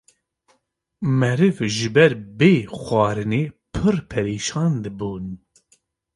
Meriv ji ber bê xwarinê pirr perîşan dibûn.